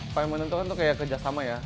apa yang menentukan tuh kayak kerjasama ya